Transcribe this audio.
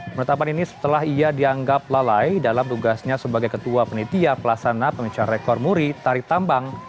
penetapan ini setelah ia dianggap lalai dalam tugasnya sebagai ketua penitia pelasana pemecahan rekor muri tarik tambang